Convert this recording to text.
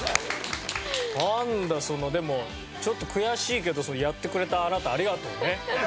なんだでもちょっと悔しいけどやってくれたあなたありがとうね。